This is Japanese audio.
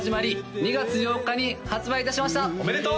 ２月８日に発売いたしましたおめでとう！